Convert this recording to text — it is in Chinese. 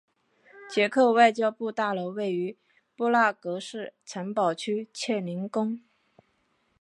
捷克外交部大楼位于布拉格市城堡区切宁宫。